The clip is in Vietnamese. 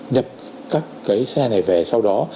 nhập các cái xe này về sau đó